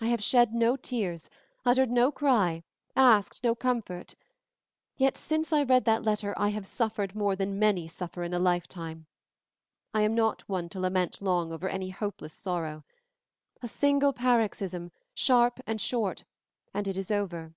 I have shed no tears, uttered no cry, asked no comfort; yet, since I read that letter, I have suffered more than many suffer in a lifetime. I am not one to lament long over any hopeless sorrow. A single paroxysm, sharp and short, and it is over.